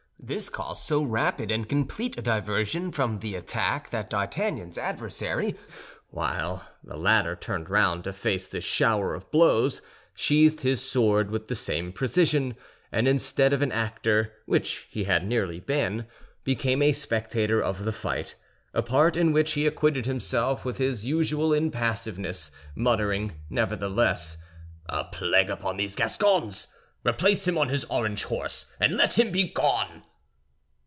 This caused so rapid and complete a diversion from the attack that D'Artagnan's adversary, while the latter turned round to face this shower of blows, sheathed his sword with the same precision, and instead of an actor, which he had nearly been, became a spectator of the fight—a part in which he acquitted himself with his usual impassiveness, muttering, nevertheless, "A plague upon these Gascons! Replace him on his orange horse, and let him begone!"